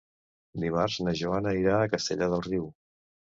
Dimarts na Joana irà a Castellar del Riu.